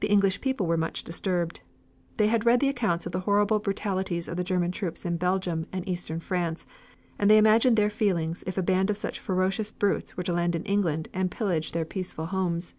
The English people were much disturbed. They had read the accounts of the horrible brutalities of the German troops in Belgium and eastern France, and they imagined their feelings if a band of such ferocious brutes were to land in England and pillage their peaceful homes.